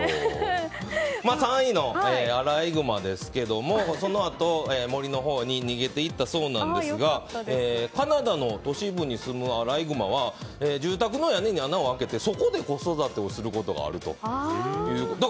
３位のアライグマですがそのあと森のほうに逃げていったそうなんですがカナダの都市部にすむアライグマは住宅の屋根に穴を開けてそこで子育てをすることがあるということです。